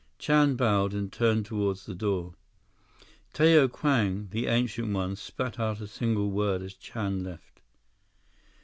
Chan bowed, and turned toward the door. Tao Kwang, the Ancient One, spat out a single word as Chan left.